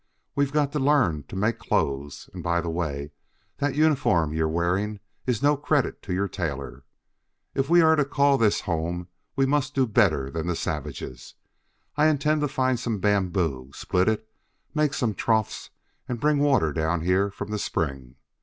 We've got to learn to make clothes; and, by the way, that uniform you're wearing is no credit to your tailor. If we are to call this home, we must do better than the savages. I intend to find some bamboo, split it, make some troughs, and bring water down here from the spring.